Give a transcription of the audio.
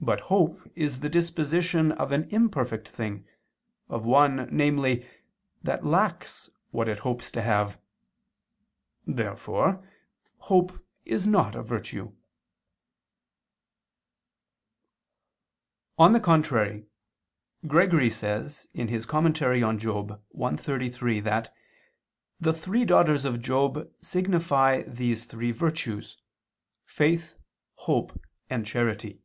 But hope is the disposition of an imperfect thing, of one, namely, that lacks what it hopes to have. Therefore hope is not a virtue. On the contrary, Gregory says (Moral. i, 33) that the three daughters of Job signify these three virtues, faith, hope and charity.